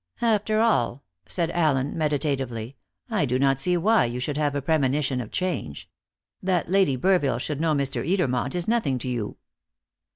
"After all," said Allen meditatively, "I do not see why you should have a premonition of change. That Lady Burville should know Mr. Edermont is nothing to you."